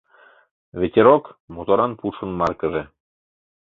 «Ветерок» — моторан пушын маркыже.